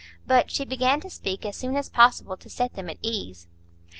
But she began to speak as soon as possible, to set them at ease.